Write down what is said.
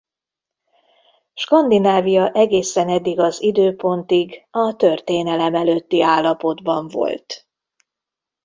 Skandinávia egészen eddig az időpontig a történelem előtti állapotban volt.